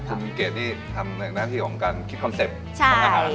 คุณเกดนี่ทำในหน้าที่ของการคิดคอนเซ็ปต์ของอาหาร